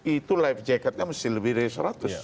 itu life jacketnya mesti lebih dari seratus